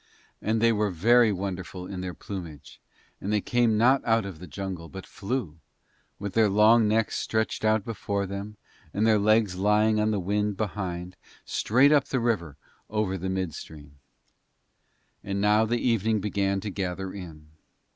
And they were very wonderful in their plumage, and they came not out of the jungle, but flew, with their long necks stretched out before them, and their legs lying on the wind behind straight up the river over the mid stream. And now the evening began to gather in.